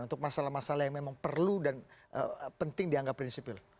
untuk masalah masalah yang memang perlu dan penting dianggap prinsipil